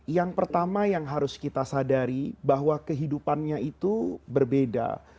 yang pertama yang harus kita sadari bahwa kehidupannya itu berbeda